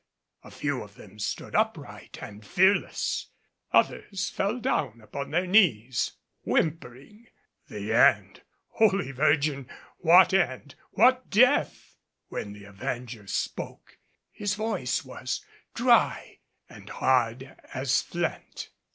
A few of them stood upright and fearless; others fell down upon their knees, whimpering. The end Holy Virgin! What end? What death? When the Avenger spoke, his voice was dry and hard as flint.